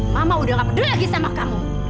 mama udah gak peduli lagi sama kamu